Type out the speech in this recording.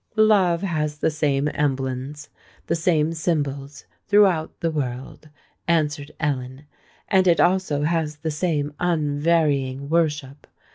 "Love has the same emblems—the same symbols, throughout the world," answered Ellen; "and it also has the same unvarying worship.